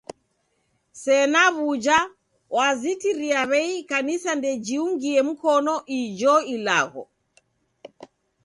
Sena w'uja, wazitirie w'ei ikanisa ndejiungie mkonu ijo ilagho.